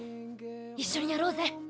一緒にやろうぜ！